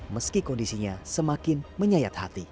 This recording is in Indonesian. meski kondisinya semakin menyayat hati